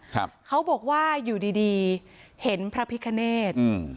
เขาบอกว่าอยู่ดีดีเห็นพระพิคเนตอืม